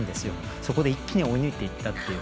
そこで一気に追い抜いていったって。